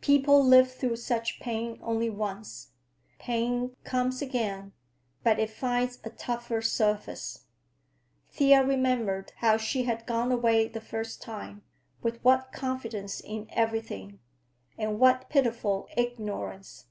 People live through such pain only once; pain comes again, but it finds a tougher surface. Thea remembered how she had gone away the first time, with what confidence in everything, and what pitiful ignorance.